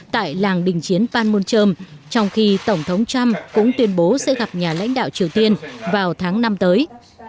tại làng đình chiến panmunjom trong khi tổng thống trump cũng tuyên bố sẽ gặp nhà lãnh đạo triều tiên vào tháng năm tới